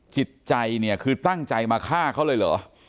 จิตใจเนี่ยคือตั้งใจมาฆ่าเขาเลยเหรอ